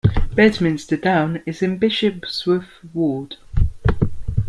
Bedminster Down is in Bishopsworth ward.